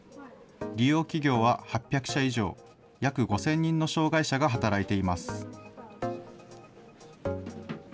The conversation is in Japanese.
利用企業は８００社以上、約５０００人の障害者が働いています。